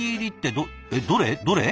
どれ？